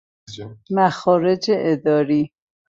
مخارج اداری